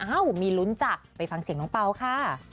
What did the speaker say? เอ้ามีลุ้นจ้ะไปฟังเสียงน้องเปล่าค่ะ